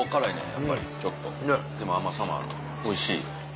やっぱりちょっとでも甘さもあるおいしい。